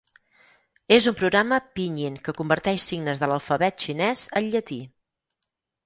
És un programa Pinyin que converteix signes de l'alfabet xinès al llatí.